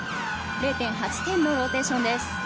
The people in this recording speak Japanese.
０．８点のローテーションです。